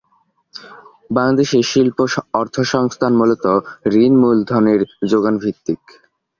বাংলাদেশে শিল্প অর্থসংস্থান মূলত ঋণ মূলধনের যোগানভিত্তিক।